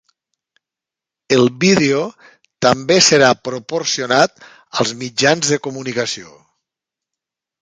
El vídeo també serà proporcionat als mitjans de comunicació.